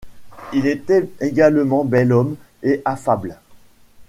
Il était également bel homme et affable.